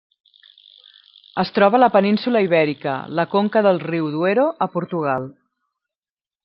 Es troba a la península Ibèrica: la conca del riu Duero a Portugal.